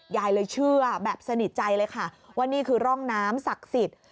ยายเลยเชื่อแบบสนิทใจเลยค่ะว่านี่คือร่องน้ำศักดิ์สิทธิ์